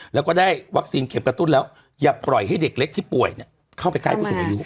แล้วก็ได้วัคซีนเข็มกระตุ้นแล้วอย่าปล่อยให้เด็กเล็กที่ป่วยเข้าไปใกล้ผู้สูงอายุ